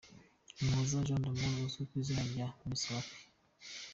Umuhoza Jean d'Amour uzwi ku izina rya Mr Lucky.